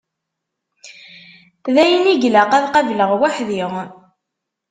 D ayen i ilaq ad qableɣ weḥd-i.